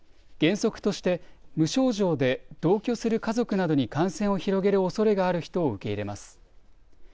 原則として無症状で同居する家族などに感染を広げるおそれがある人を受け入れます。